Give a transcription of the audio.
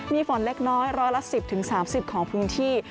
มีฝนเล็กน้อยร้อยละ๑๐๓๐ของพื้นที่